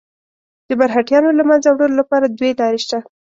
د مرهټیانو له منځه وړلو لپاره دوې لارې شته.